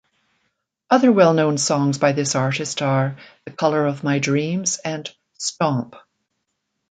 Other well-known songs by this artist are "The Colour of My Dreams" and "Stomp".